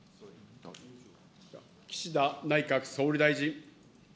岸田内閣総理大臣。